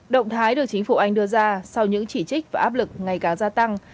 động thái được chính phủ anh đưa ra sau những chỉ trích và áp lực ngày càng gia tăng